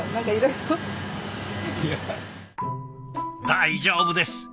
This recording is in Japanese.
大丈夫です！